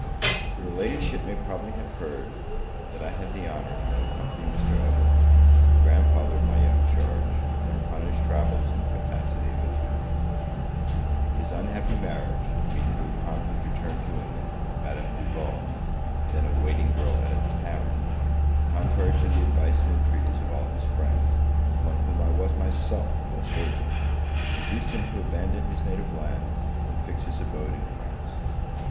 Your Ladyship may probably have heard, that I had the honour to accompany Mr. Evelyn, the grandfather of my young charge, when upon his travels, in the capacity of a tutor. His unhappy marriage, immediately upon his return to England, with Madame Duval, then a waiting girl at a tavern, contrary to the advice and entreaties of all his friends, among whom I was myself the most urgent, induced him to abandon his native land, and fix his abode in France.